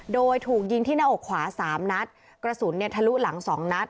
โดยถูกยิงที่หน้าอกขวาสามนัดกระสุนเนี่ยทะลุหลังสองนัด